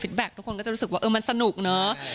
แบ็คทุกคนก็จะรู้สึกว่าเออมันสนุกเนอะ